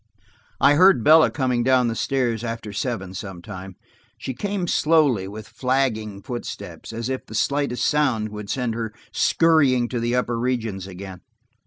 I heard Bella coming down the stairs, after seven sometime; she came slowly, with flagging footsteps, as if the slightest sound would send her scurrying to the upper regions again.